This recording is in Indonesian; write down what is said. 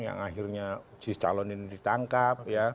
yang akhirnya si calon ini ditangkap